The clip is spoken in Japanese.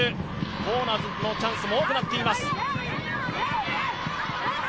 コーナーのチャンスも多くなっています。